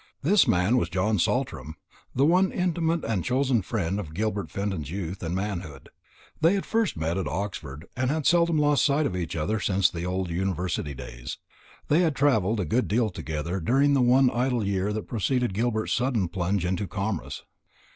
This man was John Saltram, the one intimate and chosen friend of Gilbert Fenton's youth and manhood. They had met first at Oxford, and had seldom lost sight of each other since the old university days. They had travelled a good deal together during the one idle year that had preceded Gilbert's sudden plunge into commerce.